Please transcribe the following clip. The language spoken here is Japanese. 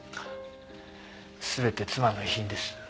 全て妻の遺品です。